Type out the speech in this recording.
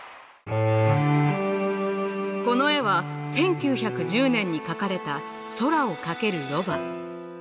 この絵は１９１０年に描かれた「空を駆けるロバ」。